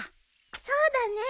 そうだね。